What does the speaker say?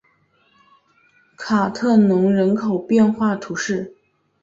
卡特农人口变化图示